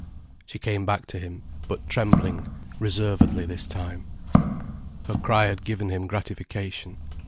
She came back to him, but trembling, reservedly this time. Her cry had given him gratification.